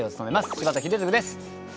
柴田英嗣です。